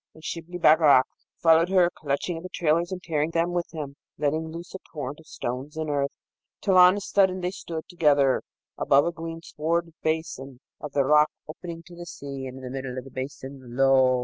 And Shibli Bagarag followed her, clutching at the trailers and tearing them with him, letting loose a torrent of stones and earth, till on a sudden they stood together above a greenswarded basin of the rock opening to the sea; and in the middle of the basin, lo!